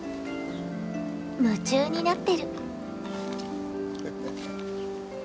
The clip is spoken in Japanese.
夢中になってる！